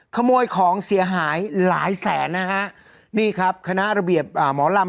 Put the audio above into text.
ขโมยของเสียหายหลายแสนนะฮะนี่ครับคณะระเบียบอ่าหมอลำ